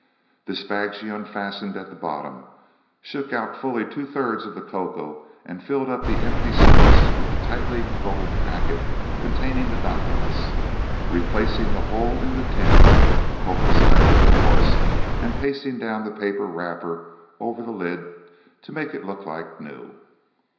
This bag she unfastened at the bottom, shook out fully two thirds of the cocoa and filled up the empty space with the tightly rolled packet containing the documents, replacing the whole in the tin, cocoa side up, of course, and pasting down the paper wrapper over the lid to make it look like new.